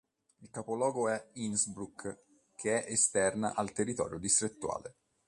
Il capoluogo è Innsbruck, che è esterna al territorio distrettuale.